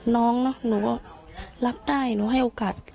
น้องเนอะหนูก็รับได้หนูให้โอกาส